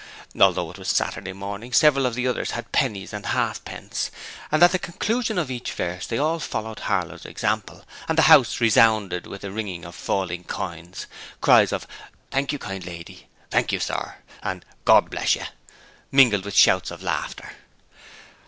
Although it was Saturday morning, several of the others had pennies or half pence! and at the conclusion of each verse they all followed Harlow's example and the house resounded with the ringing of falling coins, cries of 'Thank you, kind lady,' 'Thank you, sir,' and 'Gord bless you,' mingled with shouts of laughter.